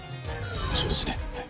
そうですねはい。